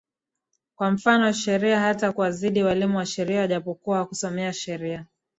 kwa mfano sheria hata kuwazidi walimu wa sheria japokuwa hakusomea sheria